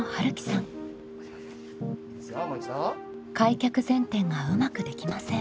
開脚前転がうまくできません。